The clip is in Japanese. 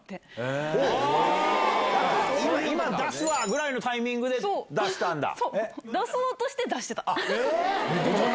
今出すわぐらいのタイミングで出したんだ。